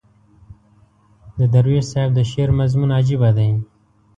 د درویش صاحب د شعر مضمون عجیبه دی.